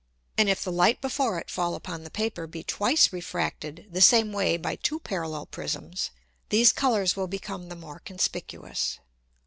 And if the Light before it fall upon the Paper be twice refracted the same way by two parallel Prisms, these Colours will become the more conspicuous.